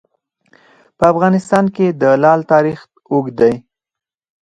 په افغانستان کې د لعل تاریخ اوږد دی.